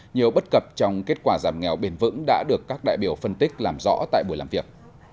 nhiều bất cập trong kết quả giảm nghèo bền vững đã được các đại biểu phân tích làm rõ tại buổi làm việc